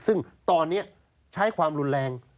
ซึ่งตอนนี้ใช้ความรุนแรง